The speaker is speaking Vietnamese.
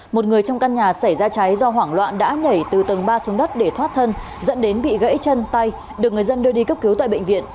một người trong căn nhà xảy ra cháy do hoảng loạn đã nhảy từ tầng ba xuống đất để thoát thân dẫn đến bị gãy chân tay được người dân đưa đi cấp cứu tại bệnh viện